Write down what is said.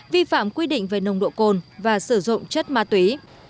vi phạm quy định về nồng độ cồn và sử dụng chất ma túy